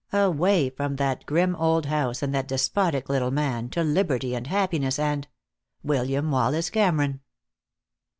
Away from that grim old house, and that despotic little man, to liberty and happiness and William Wallace Cameron.